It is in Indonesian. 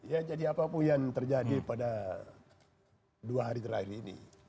ya jadi apapun yang terjadi pada dua hari terakhir ini